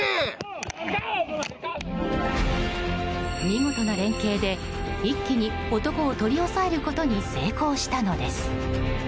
見事な連係で一気に男を取り押さえることに成功したのです。